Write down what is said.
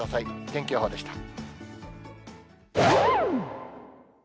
天気予報でした。